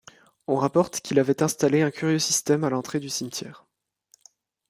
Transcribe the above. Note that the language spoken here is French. On rapporte qu’il avait installé un curieux système à l’entrée du cimetière.